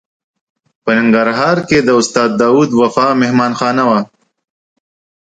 په ننګرهار کې د استاد داود وفا مهمانه خانه وه.